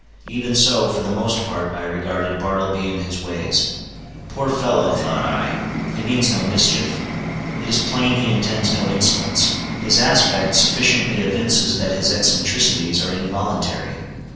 Even so, for the most part, I regarded Bartleby and his ways. Poor fellow! thought I, he means no mischief; it is plain he intends no insolence; his aspect sufficiently evinces that his eccentricities are involuntary.